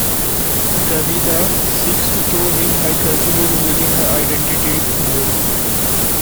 "Gradiva" seeks to cure him by gradually revealing her identity to him'.